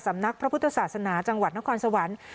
สำนักพระพุทธศาสนาจังหวัดนครสวรรค์